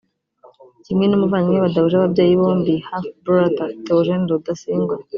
kimwe n’umuvandimwe we badahuje ababyeyi bombi (half brother) Theogene Rudasingwa